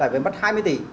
và phải mất hai mươi tỷ